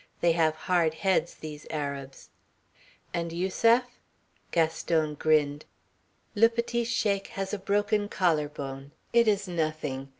They have hard heads, these Arabs." "And Yusef?" Gaston grinned. "Le petit Sheik has a broken collar bone. It is nothing.